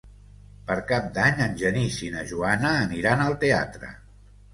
Per Cap d'Any en Genís i na Joana aniran al teatre.